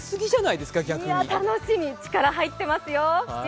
いや、楽しみ力入ってますよ。